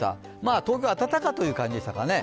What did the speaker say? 東京は暖かという感じでしょうかね。